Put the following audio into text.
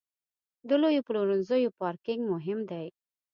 د لویو پلورنځیو پارکینګ مهم دی.